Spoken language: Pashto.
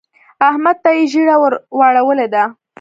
احمد ته يې ژیړه ور واړولې ده.